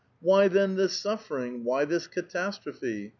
Why, tben, this suffering? Why this catastrophe?